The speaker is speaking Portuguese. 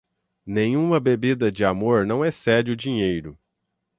Nenhuma bebida de amor não excede o dinheiro.